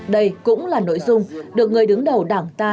đây cũng là nội dung được người đứng đầu đảng ta